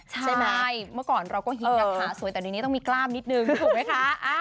เมื่อก่อนเราก็หินนะคะสวยแต่ในนี้ต้องมีกล้ามนิดนึงถูกไหมคะ